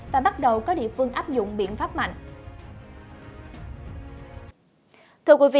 và bắt đầu có địa phương áp dụng biện pháp mạnh